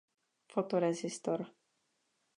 Fotorezistor